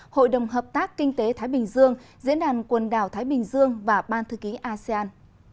hội đồng hợp tác kinh tế thái bình dương diễn đàn quần đảo thái bình dương và ban thư ký asean